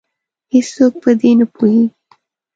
هیڅوک په دې نه پوهیږې